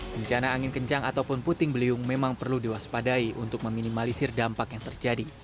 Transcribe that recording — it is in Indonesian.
bencana angin kencang ataupun puting beliung memang perlu diwaspadai untuk meminimalisir dampak yang terjadi